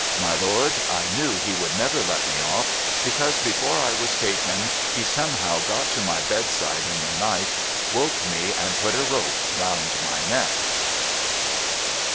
My Lord, / k/ie7(ii he wonld nci'er let me ojf, hccatise, before L 7vas taken, he somehow got to my bedside in the night, woke me, and put a rope round my neck.'